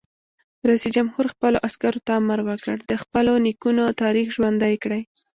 رئیس جمهور خپلو عسکرو ته امر وکړ؛ د خپلو نیکونو تاریخ ژوندی کړئ!